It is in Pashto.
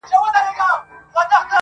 څه به کړو چي دا دریاب راته ساحل شي-